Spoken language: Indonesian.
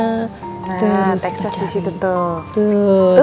nah texas disitu tuh